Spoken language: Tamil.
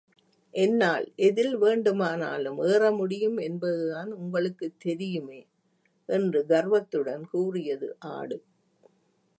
என்னால் எதில் வேண்டுமானலும் ஏற முடியும் என்பதுதான் உங்களுக்குத் தெரியுமே! என்று கர்வத்துடன் கூறியது ஆடு.